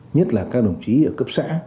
nhất là các đồng chí ở cấp xã